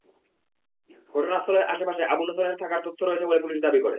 ঘটনাস্থলের আশপাশে আবু নছরের থাকার তথ্য রয়েছে বলে পুলিশ দাবি করে।